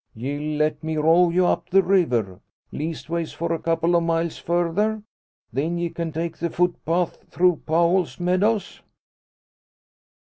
Ye'll let me row you up the river leastways for a couple o' miles further? Then ye can take the footpath through Powell's meadows."